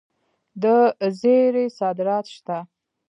د زیرې صادرات شته.